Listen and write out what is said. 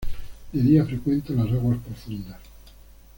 De día frecuenta las aguas profundas.